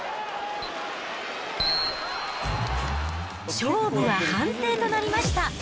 勝負は判定となりました。